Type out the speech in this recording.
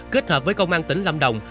kết hợp với công an tỉnh lâm đồng